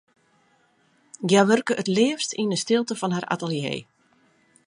Hja wurke it leafst yn 'e stilte fan har atelier.